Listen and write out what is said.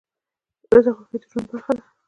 • د ورځې خوښي د ژوند برخه ده.